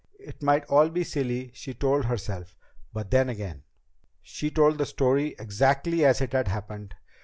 It might all be silly, she told herself. But then again ... She told the story exactly as it had happened.